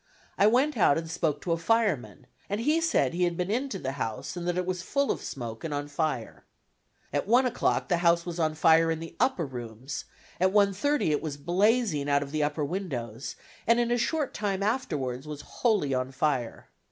I went out and spoke to a fireman, and he said he had been into the house and that it was full of smoke and on fire. At 1 o'clock the house was on fire in the upper rooms, at 1:30 it was blazing out of the upper windows, and in a short time afterwards was wholly on fire.